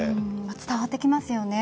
伝わってきますよね。